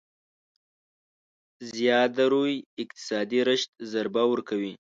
زياده روي اقتصادي رشد ضربه ورکوي.